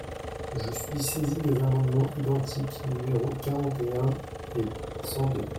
Je suis saisie des amendements identiques numéros quarante et un et cent deux.